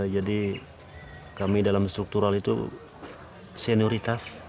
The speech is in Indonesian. kami dalam struktural itu senioritas